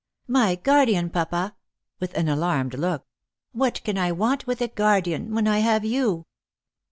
" My guardian, papa !" with an alarmed look. " What can I want with a guardian when I have you